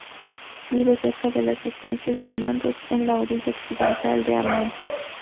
Vive cerca de las estancias de Mandos, en la orilla occidental de Aman.